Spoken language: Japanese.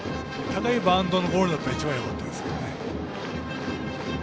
例えばバウンドのボールだったら一番よかったですね。